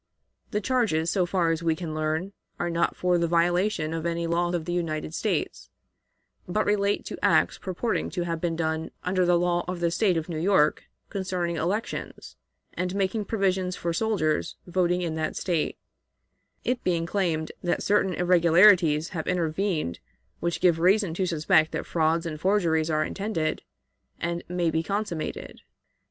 ... The charges, so far as we can learn, are not for the violation of any law of the United States, but relate to acts purporting to have been done under the law of the State of New York concerning elections, and making provisions for soldiers voting in that State; it being claimed that certain irregularities hare intervened which give reason to suspect that frauds and forgeries are intended, and may be consummated.